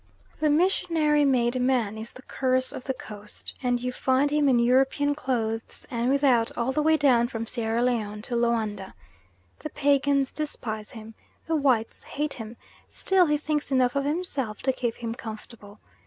The missionary made man is the curse of the Coast, and you find him in European clothes and without, all the way down from Sierra Leone to Loanda. The pagans despise him, the whites hate him, still he thinks enough of himself to keep him comfortable.